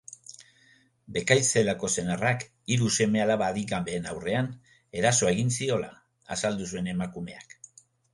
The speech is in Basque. Bekaitz zelako senarrak hiru seme-alaba adingabeen aurrean eraso egin ziola azaldu zuen emakumeak.